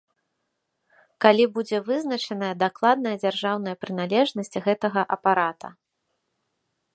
Калі будзе вызначаная дакладная дзяржаўная прыналежнасць гэтага апарата.